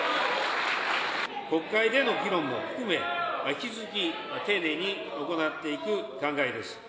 国会での議論も含め、引き続き丁寧に行っていく考えです。